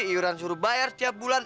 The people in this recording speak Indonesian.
iuran suruh bayar setiap bulan